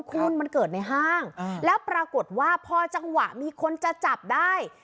คุณมันเกิดในห้างแล้วปรากฏว่าพอจังหวะมีคนจะจับได้